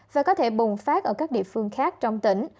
và có thể bùng phát ở các địa phương khác trong tỉnh